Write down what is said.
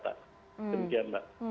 terus dia mbak